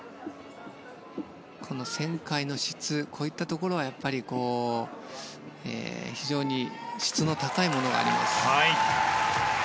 この旋回の質といったところがやっぱり、非常に質の高いものがあります。